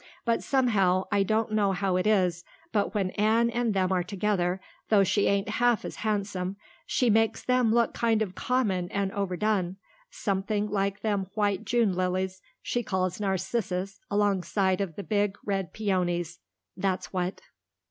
But somehow I don't know how it is but when Anne and them are together, though she ain't half as handsome, she makes them look kind of common and overdone something like them white June lilies she calls narcissus alongside of the big, red peonies, that's what."